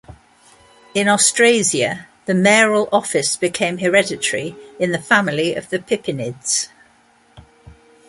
In Austrasia, the mayoral office became hereditary in the family of the Pippinids.